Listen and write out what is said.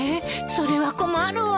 それは困るわ。